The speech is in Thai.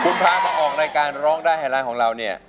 คุณพามาออกรายการร้องดายแหล่งของเรานี่